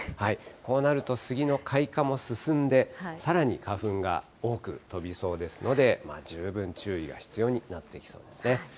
こうなると、スギの開花も進んで、さらに花粉が多く飛びそうですので、十分注意が必要になってきそうですね。